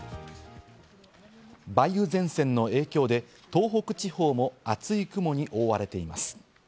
梅雨前線の影響で東北地方も厚い雲に覆われています。